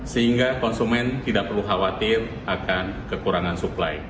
sehingga konsumen tidak perlu khawatir akan kekurangan suplai